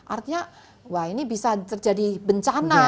artinya wah ini bisa terjadi bencana